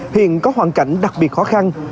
hiện có hoàn cảnh đặc biệt khó khăn